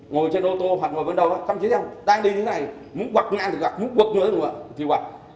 ngồi trên ô tô hoặc ngồi bên đầu đó tăng chiếc xe tăng đi như thế này muốn quạt ngang thì quạt muốn quật ngay thì quạt